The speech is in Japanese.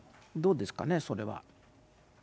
どうですかね、それは。